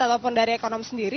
ataupun dari ekonomi sendiri